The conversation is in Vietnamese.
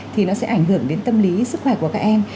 thì nó sẽ ảnh hưởng đến tâm lý sức khỏe của các em